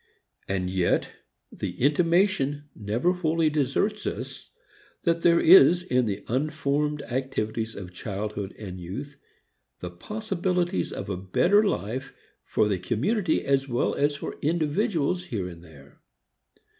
And yet the intimation never wholly deserts us that there is in the unformed activities of childhood and youth the possibilities of a better life for the community as well as for individuals here and there.